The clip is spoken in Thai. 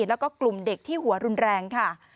แล้วก็กลุ่มเด็กที่หัวรุนแรงค่ะ